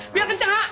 biar kenceng ha